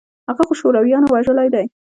هغه خو شورويانو وژلى دى.